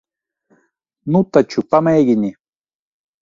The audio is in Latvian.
Nu taču, pamēģini.